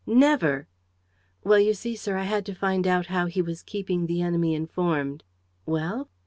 "Never!" "Well, you see, sir, I had to find out how he was keeping the enemy informed." "Well?"